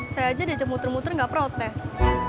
saya aja diajak muter muter nggak protes